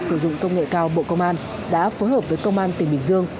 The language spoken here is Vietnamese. sử dụng công nghệ cao bộ công an đã phối hợp với công an tỉnh bình dương